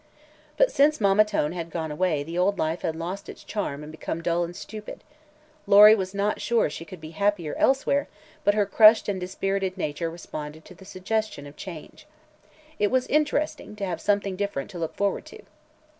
But since Mamma Tone had gone away the old life had lost its charm and become dull and stupid. Lory was not sure she could be happier elsewhere, but her crushed and dispirited nature responded to the suggestion of change. It was interesting to have something different to look forward to.